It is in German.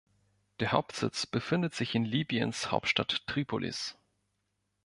Der Hauptsitz befindet sich in Libyens Hauptstadt Tripolis.